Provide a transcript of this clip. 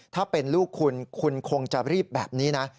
ถ้าเป็นลูกคุณคุณคงจะรีบแบบนี้นะ